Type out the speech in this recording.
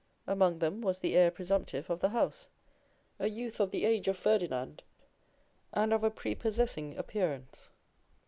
Among them was the heir presumptive of the house, a youth of the age of Ferdinand, and of a prepossessing appearance.